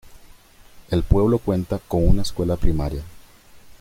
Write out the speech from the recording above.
El pueblo cuenta con una escuela primaria.